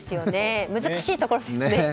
難しいところですね。